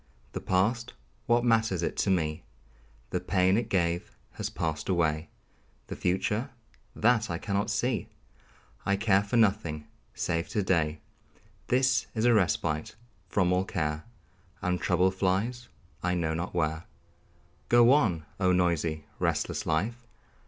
The past what matters it to me? The pain it gave has passed away. The future that I cannot see! I care for nothing save to day This is a respite from all care, And trouble flies I know not where. Go on, oh, noisy, restless life!